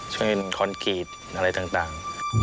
เช่นคอนกรีตอะไรต่าง